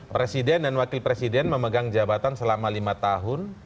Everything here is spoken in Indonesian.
presiden dan wakil presiden memegang jabatan selama lima tahun